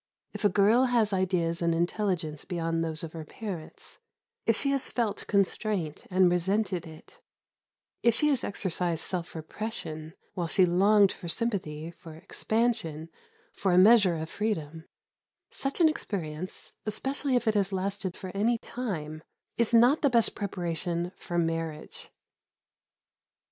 If a girl has ideas and intelligence beyond those of her parents; if she has felt constraint and resented it; if she has exercised self repression, while she longed for sympathy, for expansion, for a measure of freedom such an experience, especially if it has lasted for any time, is not the best preparation for marriage.